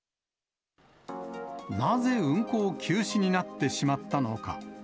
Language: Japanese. なぜ運行休止になってしまったのか。